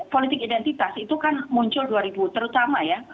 politik identitas itu kan muncul terutama ya